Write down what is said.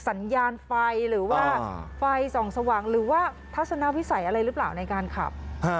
สัญญาณไฟหรือว่าไฟส่องสว่างหรือว่าทัศนวิสัยอะไรหรือเปล่าในการขับ